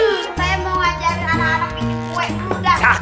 saya mau wajarin anak anak bikin kue